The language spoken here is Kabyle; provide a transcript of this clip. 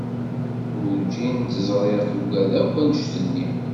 Urǧin tt-ẓriɣ tuggad akk anect-nni.